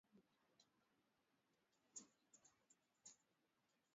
zinazoendeshwa na mwanadamu Inathiri afya ya binadamu